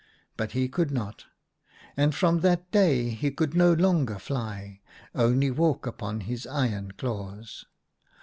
But he could not, and from that day he could no longer fly, only walk upon his iron claws.